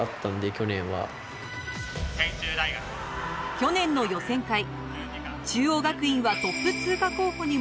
去年の予選会、中央学院はトップ通過候補にも